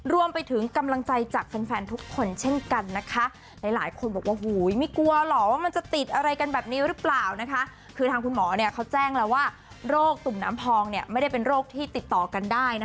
รวมไปถึงกำลังใจจากแฟนทุกคนเช่นกันนะคะ